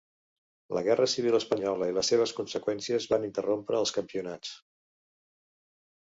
La Guerra Civil Espanyola i les seves conseqüències van interrompre els campionats.